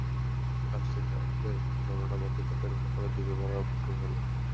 তাফসীরকারদের বর্ণনা মতে, তাদের সকলের ডুবে মরার উপক্রম হল।